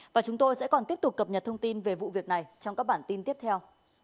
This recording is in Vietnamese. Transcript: và chúng tôi sẽ còn tiếp tục cập nhật thông tin về vụ việc này trong các bản tin tiếp theo